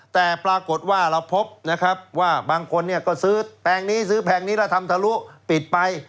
แต่ปรากฏว่าเราพบนะครับว่าบางคนเนี่ยก็ซื้อแพงนี้ซื้อแพงนี้แล้วทำทะลุปิดไป